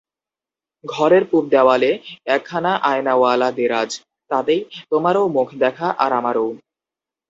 ঘরের পুব-দেওয়ালে একখানা আয়নাওয়ালা দেরাজ, তাতেই তোমারও মুখ দেখা আর আমারও।